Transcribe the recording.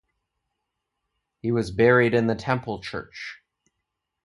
He was buried in the Temple Church.